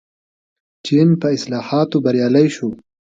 چین په اصلاحاتو بریالی شو.